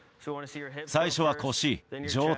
最初は腰、上体、